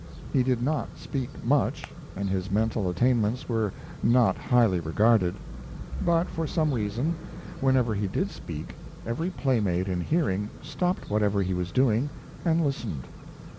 He did not speak much, and his mental attainments were not highly regarded; but, for some reason, whenever he did speak every playmate in hearing stopped whatever he was doing and listened.